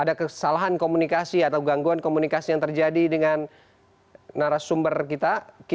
ada kesalahan komunikasi atau gangguan komunikasi yang terjadi dengan narasumber kita